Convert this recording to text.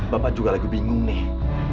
bapak juga lagi bingung nih